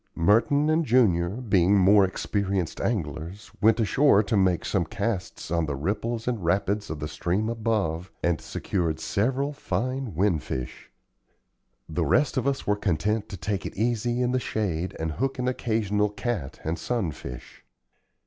Merton and Junior, being more experienced anglers, went ashore to make some casts on the ripples and rapids of the stream above, and secured several fine "winfish." The rest of us were content to take it easy in the shade and hook an occasional cat and sun fish.